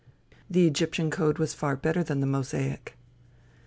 The Egyptian code was far better than the Mosaic.